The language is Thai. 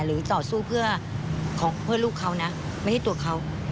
ต่อสู้เพื่อลูกเขานะไม่ใช่ตัวเขา